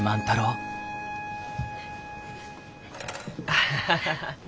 アハハハ。